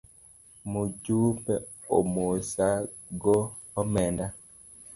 Mujumbe omosa go omenda.